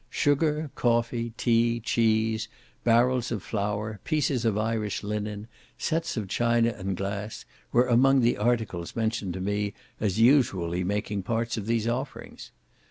Sugar, coffee, tea, cheese, barrels of flour, pieces of Irish linen, sets of china and of glass, were among the articles mentioned to me as usually making parts of these offerings.